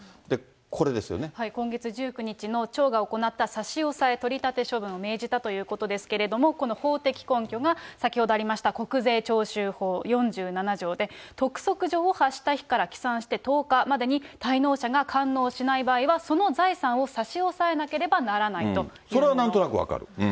今月１９日の、町が行った差し押さえ・取り立て処分を命じたということですけれども、この法的根拠が、先ほどありました国税徴収法４７条で、督促状を発した日から、起算して１０日までに、滞納者が完納しない場合は、その財産を差し押さえなければならなそれはなんとなく分かる。